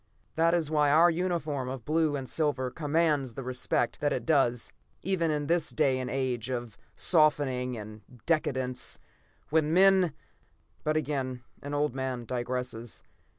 That is why our uniform of blue and silver commands the respect that it does even in this day and age of softening and decadence, when men but again an old man digresses.